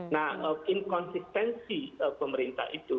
nah inconsistency pemerintah itu